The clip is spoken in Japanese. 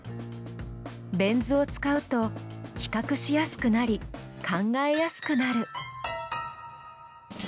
ベン図を使うと比較しやすくなり考えやすくなる。